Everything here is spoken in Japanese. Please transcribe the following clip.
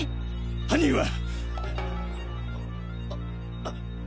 犯人は！？